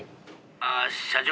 「あっ社長？」